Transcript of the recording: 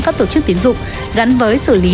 các tổ chức tín dụng gắn với xử lý